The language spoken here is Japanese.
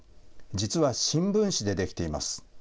実は新聞紙で出来ています。